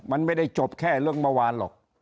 มันไม่ได้จบแค่เรื่องเมื่อวานหรอก